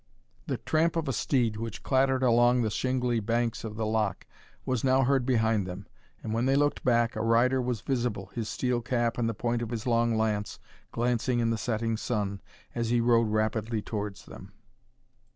The tramp of a steed, which clattered along the shingly banks of the loch, was now heard behind them; and, when they looked back, a rider was visible, his steel cap and the point of his long lance glancing in the setting sun, as he rode rapidly towards them.